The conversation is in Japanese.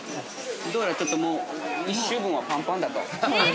どうやら、ちょっともう１週分はパンパンだと。